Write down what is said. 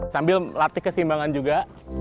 sambil latih kesimbangan juga